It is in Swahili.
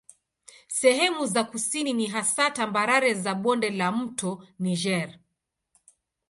Sehemu za kusini ni hasa tambarare za bonde la mto Niger.